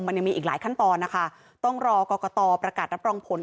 มันยังมีอีกหลายขั้นตอนนะคะต้องรอกรกตประกาศรับรองผล